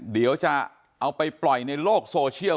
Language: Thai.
เดี๋ยวจะเอาไปปล่อยในโลกโซเชียล